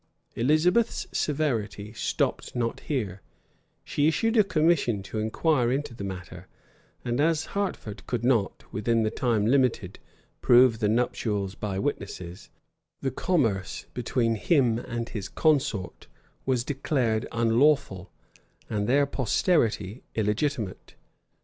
Elizabeth's severity stopped not here: she issued a commission to inquire into the matter; and as Hertford could not, within the time limited, prove the nuptials by witnesses, the commerce between him and his consort was declared unlawful, and their posterity illegitimate.